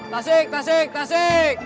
tasik tasik tasik